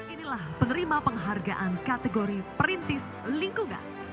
inilah penerima penghargaan kategori perintis lingkungan